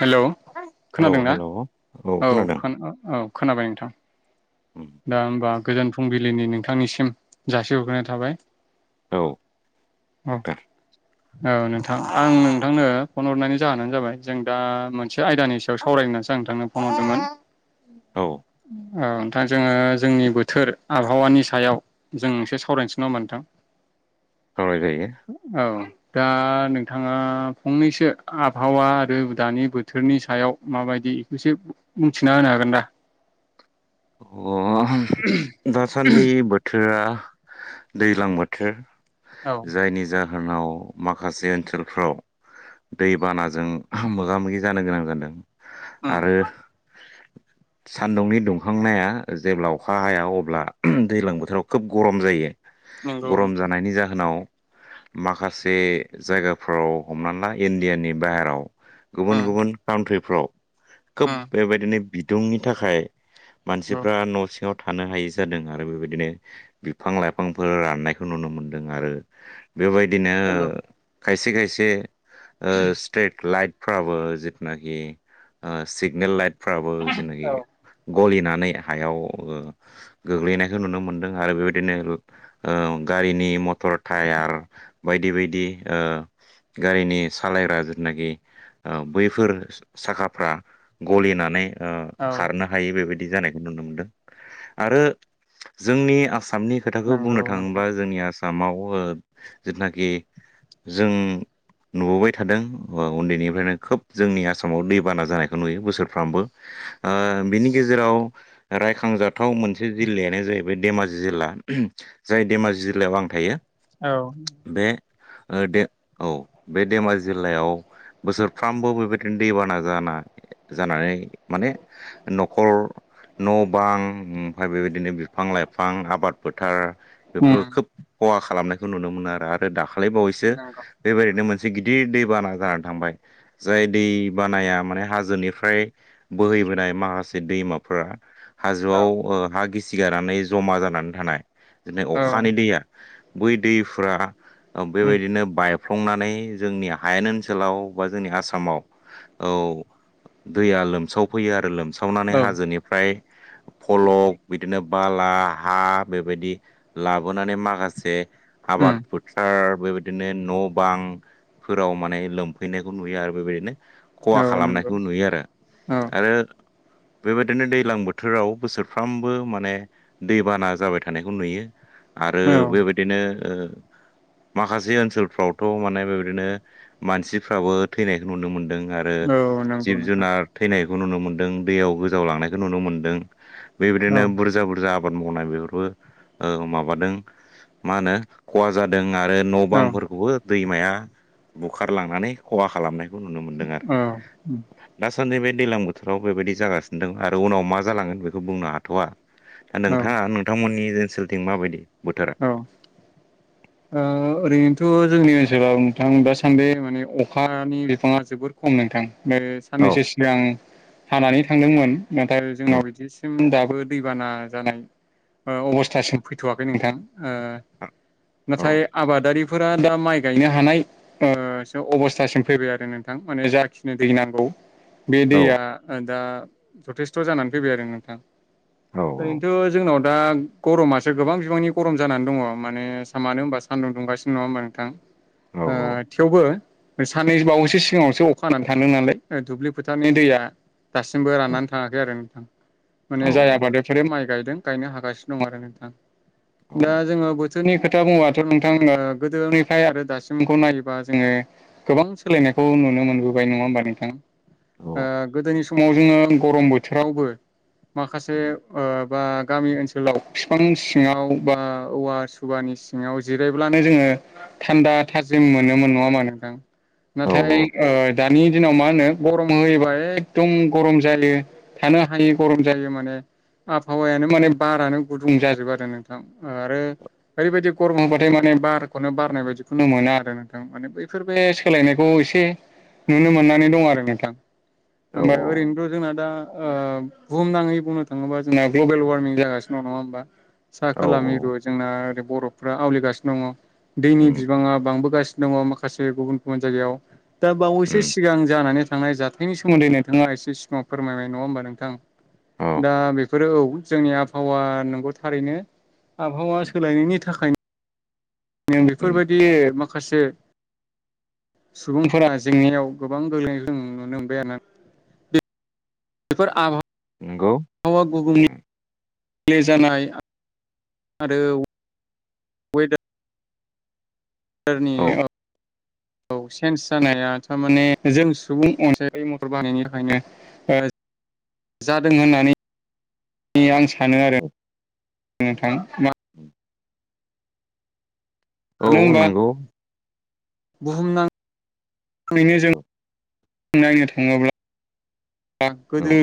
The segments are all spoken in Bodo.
हेल'। औ हेल'। औ खोनादों खोना खोनाबाय नोंथां। उम दा होमबा गोजोन फुंबिलिनि नोंथांनिसिम जासिहरग्रोनाय थाबाय। औ औ दे। औ नोंथां आं नोंथांनो फन हरनायनि जाहोनानो जाबाय जों दा मोनसे आयदानि सायाव सावरायनोसो नोंथांनो फन हरदोंमोन। औ। औ नोंथां जोङो जोंनि बोथोर आबहावानि सायाव जों एसे सावरायनोसै नामा नोंथां? [inaudible] सावरायजायो। औ दा नोंथाङा फंनैसो आबहावा आरो दानि बोथोरनि सायाव माबायदि बेखौसो मिथिना होनो हागोन दा? अ दासान्दि बोथोर आ दैज्लां बोथोर औ जायनि जाहो होनाव माखासे ओनसोलफ्राव दै बानाजों मोगा मोगि जानो गोनां जादों। आरो सान्दुंनि दुं खांनाया जेब्ला अखा हाया अब्ला दैज्लां बोथोराव खोब गरम जायो। नंगौ नंगौ गरम जानायनि जाहोनाव माखासे जायगाफ्राव हमनानै ला इण्डियानि बाहेराव गुबुन गुबुन काउनट्रिफ्राव खोब बेबायदिनो बिदुंनि थाखाय मानसिफ्रा न' सिङाव थानो हायि जादों आरो बेबायदिनो बिफां लाइफांफोर राननायखौ नुनो मोनदों आरो बेबायदिनो खायसे खायसे ओ स्ट्रेट लाइट फ्राबो जिथुनाखि ओ सिगनेल लाइतफ्राबो औ जिथुनाखि गलिना नै हायाव ओ गोग्लैनायखौ नुनो मोनदों आरो बेबायदिनो ओ गारिनि मटर टायार बायदि बायदि ओ गारिनि सालायग्रा जिथुनाखि ओ बैफोर साखाफ्रा गलिनानै ओ औ खारनो हायि बेबायदि जानायखौ नुनो मोनदों आरो जोंनि आसाम आसामनि खोथाखौ नंगौ बुंनो नोंथां थाङोब्ला जोंनि आसामाव ओ जिथुनाखि जों नुबोबाय थादों उन्दैनिफ्रायनो खोब जोंनि आसामाव दैबाना जानायखौ नुयो बोसोरफ्रामबो ओ बिनि गेजेराव रायखांजाथाव मोनसे जिल्लायानो जाहैबाय धेमाजि जिल्ला जाय धेमाजि जिल्लायाव आं थायो। औ। बे ओ दे औ बे धेमाजि जिल्लायाव बोसोरफ्रामबो बेबायदिनो दैबाना जाना जानानै माने न' न' बां ओमफ्राय बेबायदिनो बिफां लाइफां आबाद फोथार बेफोरखौ खोब खहा खालामनायखौ नुनो मोनो आरो आरो दाखालै बावैसो नंगौ बेबायदिनो मोनसे मोनसे गिदिर दैबाना जानानै थांबाय जाय दैबानाया माने हाजोनिफ्राय बोहै बोनाय माखासे दैमाफोरा औ हाजोआव हा गिसिगारनानै जमा जानानै थानाय दिनै औ अखानि दैया बै दैफ्रा उम बेबायदिनो बाय फ्लंनानै जोंनि हायेन ओनसोलाव बा जोंनि आसामाव औ दैया लोमसावफैयो आरो लोमसावनानै औ हाजोनि फलक बिदिनो बाला हा बेबायदि लाबोनानै माखासे उम आाबाद फोथार बेबायदिनो न' बांफोराव माने लोमफैनायखौ नुयो आरो बेबायदिनो खहा औ नंगौ खालामनायखौ नुयो आरो औ आरो बेबाय बिदिनो दैज्लां बोथोराव बोसोरफ्रामबो माने दैबाना जाबाय थानायखौ नुयो आरो बेबायदिनो माखासे ओनसोलफ्रावथ' माने बेबायदिनो मानसिफ्राबो थैनायखौ नुनो मोनदों आरो औ नंगौ जिब नोंथां जुनार थैनायखौ नुनो मोनदों दैयाव गो लांनायखौ नुनो मोनदों बेबायदिनो औ बुरजा बुरजा आबाद मावनाय बेफोरबो माबादों मा होनो खहा जादों आरो न' औ बांफोरखौबो दैमाया बुखारलांनानै खहा खालामनाय नुनो मोनदों आरो औ उम दासान्दि बे दैलां बोथोराव बेबायदि जागासिनो मोनदों आरो उनाव मा जालांगोन बेखौ बुंनो हाथ'वा दा औ नोंथाङा नोंथांमोननि ओनसोलथिं माबायदि बोथोरा औ ओ जोंनि ओनसोलाव नोंथां दा सान्दि माने अखानि बिफाङा जोबोर खम नोंथां औ साननैसो सिगां हानानै थांदोंमोन नाथाय औ जोंनाव बिदिसिम दाबो दैबाना जानाय अबस्थासिम फैथ'वाखै नोंथां ओ औ नाथाय आबादारि फोरा दा माइ गायनो हानाय ओ अबस्थासिम फैबाय आरो नोंथां माने जाखिनि दै नांगौ बे औ दैया दा जथेस्थ' जानानै फैबाय आरो नोंथां औ ओरैनोथ' जोंनाव दा गरमासो गोबां बिबांनि गरम जानानै दङ' माने मानो होनोबा सान्दुं दुंगासिनो नङा होमबा नोंथां औ औ थेवबो। साननै बावैसो सिगाङावसो अखा हानानै थाङ नालाय दुब्लि फोथारनि दैया दासिमबो औ राननानै थाङाखै आरो नोंथां औ माने जाय आबाद बेफोर माइ गायदों गायनो हागासिनो दं आरो नोंथां औ दा जोङो बोथोरनि खोथा बुोबाथ' नोंथां गोदोनिफ्राय आरो दासिमखौ नायोबा जोङो गोबां सोलायनायखौ नुनो मोनबोबाय नंङा होमबा नोंथां औ गोदोनि सम [inaudible] गरम बोथोरावबो माखासे बा गामि ओनसोलाव बिफां सिङाव बा औवा सुबानि सिङाव जिरायब्लानो जोङो थान्दा थाजिम मोनोमोन नङामा नोंथां औ नाथाय दानि दिनाव मा होनो गरम होयोबा एकदम गरम जायो थानो हायै गरम जायो माने आबहावायानो माने बारानो गुदुं जाजोबो आरो नों आरो ओरैबायदि गरम होबाथाय माने बारखौनो बारनाय बायदिखौनो मोना आरो नोंथां माने बै बिदिनो बे सोलायनायखौ एसे नुनो मोननानै दं आरो नोंथां औ ओमफ्राय ओरैनोथ' जोंना दा बुहुमनाङै बुंनो थाङोबा जोंना ग्लबेल वार्मिं जागासिनो दङ नङा होम्बा साहा औ खोला मिरु जोंना ओरै बर'फ्रा आवलिगासिनो दङ दैनि उम बिबाङा बांबोगासिनो दङ माखासे गुबुन गुबुन जायगायाव दा बावैसो उम सिगां जानानै थांनाय जाथायनि सोमोन्दै नोंथाङा एसे सिमाव फोरमायबाय नङा होम्बा नोंथां औ दा बेफोरो औ जोंनि आबहावा नंगौ थारैनो आबहावा सोलायनायनि थाखायनो नों उम बेफोरबायदि माखासे सुबुंफोरा जेंनायाव गोबां गोग्लै नुनो मोनबाय बेफोर आम नंगौ गेले जानाय आरो [unintelligible] रनि औ औ चन्ज जानाया थारमाने जों सुबुं अनसायारि मथर बाहायनि थाखायनो जादों होननानै आं सानो आरो नोंथां उम मानो औ होनबा नंगौ बुहुमनाङैनो जों औ नायनो थाङोब्ला औ गोदो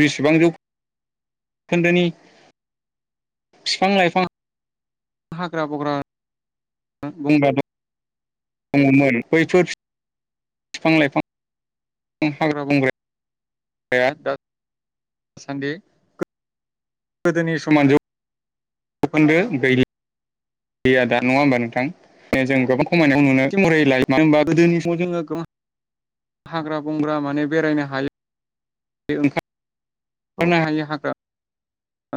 जेसेबां जौ खोन्दोनि बिफां लाइफां हाग्रा बग्रा गंब्रा दं दङमोन बैफोर बिफां लाइफां आं हाग्रा बंग्राया दा दासान्दि गोदोनि समान जौ जखोन्दो गैलि गै आदा नङा होमबा नोंथां जों गोबां खामायनाय नुनो मोनो [inaudible] हाग्रा बंग्रा माने बेरायनो हायो औ ओंखारनो हायि हाग्रा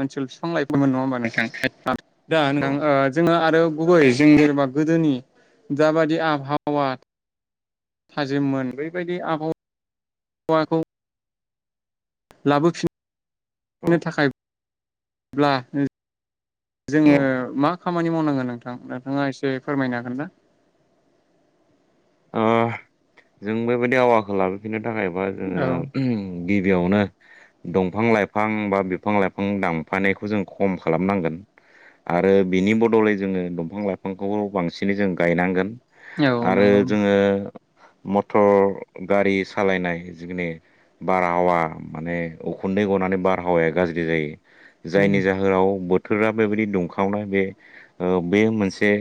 ओनसोल बिफां लाइफांमोन नङा होमबा नोंथां दा नोंथां जोङो आरो गुबै जों जेनेबा गोदोनि दाबादि आबहावा थाजिममोन बबायदि आबहावाखौ औ लाबोफिननो थाखायब्ला ओ जोङो मा खामानि मावनांगोन नोंथां नोंथाङा एसे फोरमायनो हागोन ना? जों बेबायदि आबहावाखौ लाबोफिननो थाखायबा जोङो औ गिबियावनो दंफां लाइफां बा बिफां लाइफां दानफानायखौ जों खम खालामनांगोन। आरो बिनि बदलै जोङो दंफां लाइफांखौ बांसिनै जों गायनांगोन औ आरो नंगौ। जोङो मथर गारि सालायनाय जिखिनि बारहावा माने उखुन्द दै गनानै बारहावाया गाज्रि जायो औ जायनि जाहोनाव बोथ- थोरा बेबायदि दुंखावनाय बे ओ बे मोनसे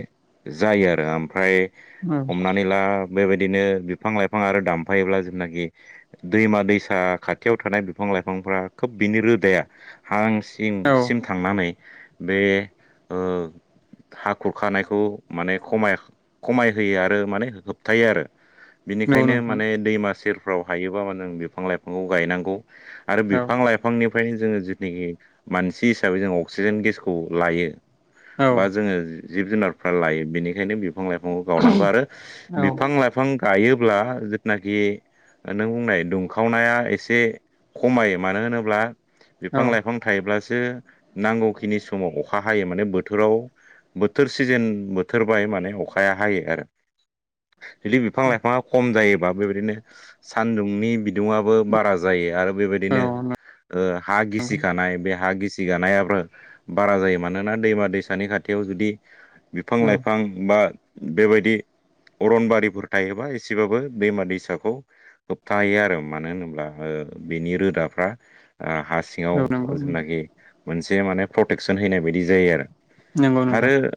जायो आरो ओमफ्राय उम हमनानै ला बेबायदिनो बिफां लाइफां आरो दामफायोब्ला जेनाखि दैमा दैसा खाथियाव थानाय बिफां लाइफांफ्रा खोब बिनि रोदाया हा औ सिंसिम थांनानै बे ओ हाखुर खानायखौ माने खम खमाय होयो आरो माने होबथायो आरो नंगौ बिनिखायनो नोंथां माने दैमा सेर फ्राव हायोबा मा नों बिफां लाइफांखौ गायनांगौ आरो औ बिफां लाइफांनि खायनो जोङो जिथनाखि मानसि हिसाबै जों अक्सिजेन गेसखौ लायो औ बा जोङो जिब जुनारफ्रा लायो बेनिखायनो बिफां लाइफांखौ गायनांगौ आरो औ बिफां लाइफां गायोब्ला जिथनाखि बे नों बुंनाय दुंखावनाया एसे खमायमारहोनोब्ला औ बिफां लाइफां थायोब्लासो नांगौखिनि समाव अखा हायो माने बोथोराव बोथोर सिजोन बोथोर बाय माने अखाया हायो आरो। जुदि बिफां लाइफाङा खम जायोबा बेबायदिनो सानदुंनि बिदुङआबो बारा जायो आरो बेबायदिनो औ ओ हा गिसिखानाय बे हा गिसि सिगानायाबो बारा जायो मानोना दैमा दैसानि खाथियाव जुदि बिफां लाइफां बा बेबायदि अरनबारिफोर थायोबा एसेबाबो दैमा दैसाखौ होबथायो आरो मानो होनोब्ला बेनि रोदाफ्रा ओ औ सिङाव नंगौ जेनाखि मोनसे माने प्रटेकसन हैनाय बायदि जायो आरो। नोंगौ नोंथां। आरो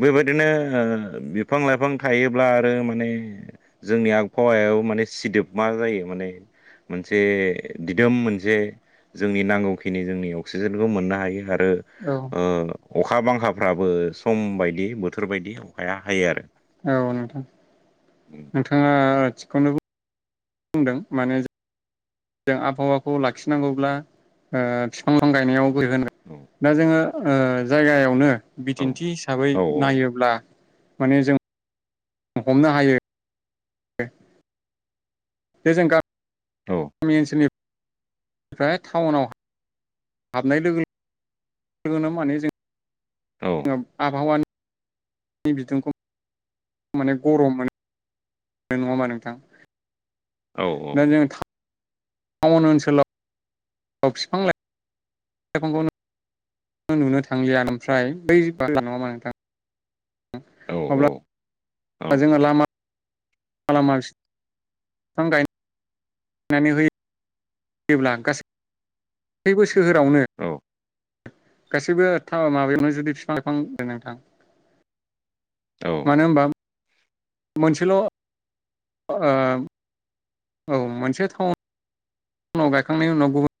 बेबायदिनो बिफां लाइफां थायोब्ला आरो माने जोंनि आबहावायाव माने सिदोब मा जायो माने। मोनसे दिदोम मोनसे जोंनि नांगौखिनि जोंनि अक्सिजेनखौ मोननो हायो आरो औ ओ उम। अखा बांखाफ्राबो सम बायदि बोथोर बायदि अखाया हायो आरो। औ नोंथां नोंथाङा आ थिगखौनो बु बुंदों माने जों आबहावाखौ लाखिनांगौब्ला ओ फिफां लाइफां गायनायाव [unintelligible] दा जोङो जायगायावनो औ बिदिन्थि हिसाबै औ नायोब्ला माने जों हमनो हायो बे जों गा औ गामि ओनसोलनि निफ्राय टाउनाव हाबनाय लोगो लोगोनो माने जों जों आबहावानि बिदुंखौ माने गरम मोनो नंगौ नामा नोंथां? औ औ दा जों टाउन ओनसोलाव फिफां लाइफां लाइफांखौ नुनो थांलिया ओमफ्राय बै बाथा नङा होमबा नोंथां? औ अब्ला औ। जोङो लामा खालामा [unintelligible] गायनानै होयो होयोब्ला गासैबो सोहोरावनो गासैबो टा माबायावनो जुदि बिफां लाइफां नोंथां। औ मानो होनबा मोनसेल' औ मोनसे टाउन उनाव गायखांनायनि उनाव गुबुन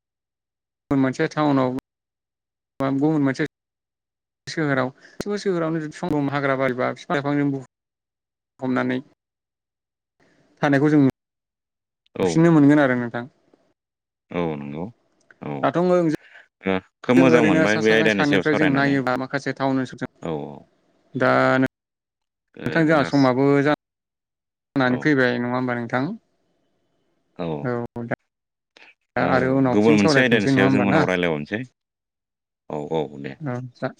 गुबुन मोनसे टाउनाव बा गुबुन मोनसे सोहोरावब सोहोरावनो सम हाग्रा बारिबा बिफां लाइफां हमनानै थानायखौ जों नु औ फिननो मोनगोन आरो नोंथां। औ नंगौ। औ दाथ' खोब जों मोजां ओरैनो मोनबाय सा बे साज्रां आयदानि सायाव सानिफ्राय जों सावरायनानै नायोबा माखासे टाउन ओनसोलजों औ ओ दा नोंथां जोंहा जोंना समाबो जानानै औ फैबाय नङा होमबा नोंथां? थां औ दा दा आरो उनाव गुबुन फिन मोनसे आयदानि सावरायफिनसै नङा सायाव जों होमबा ना? उनाव रायलायबावनोसै औ दे औ नोंथां।